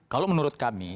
kalau menurut kami